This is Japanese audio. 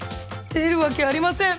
出るわけありません。